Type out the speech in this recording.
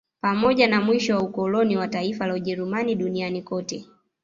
Pamoja na mwisho wa ukoloni wa taifa la Ujerumani duniani kote